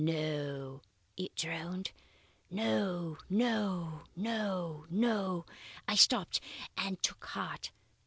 No it droned. No! no! no! no! I stopped and took heart.